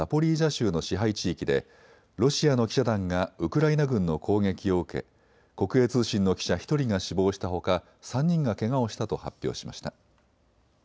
州の支配地域でロシアの記者団がウクライナ軍の攻撃を受け国営通信の記者１人が死亡したほか、３人がけがをしたと発表しました。